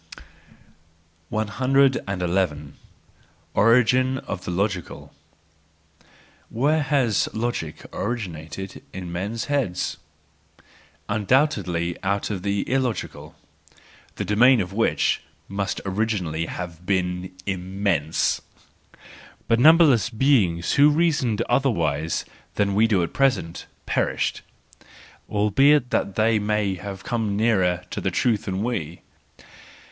hi. Origin of the Logical '—Where has logic origin¬ ated in men's heads? Undoubtedly out of the illogical, the domain of which must originally have been immense. But numberless beings who reasoned otherwise than we do at present, perished ; albeit that they may have come nearer to truth than we!